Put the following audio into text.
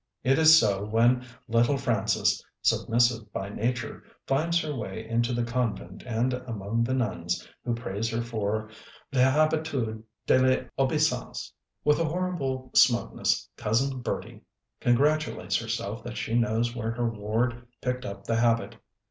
It is so when little Frances, submissive by nature, finds her way into the convent and among the nuns, who praise her for "1'habitude de 1'obeissance." With a horrible smugness, Cousin Bertie congratulates herself that she knows where her ward picked up the habit.